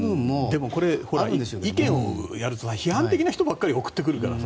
でも、意見をやると批判的な人ばかり送ってくるからさ。